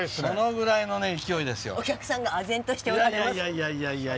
お客さんがあぜんとしております。